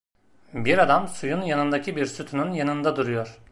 Bir adam suyun yanındaki bir sütunun yanında duruyor.